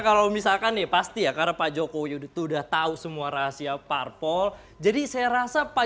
kalau misalkan nih pasti ya karena pak jokowi udah tahu semua rahasia parpol jadi saya rasa pak